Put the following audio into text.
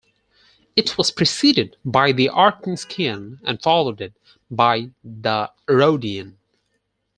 It was preceded by the Artinskian and followed by the Roadian.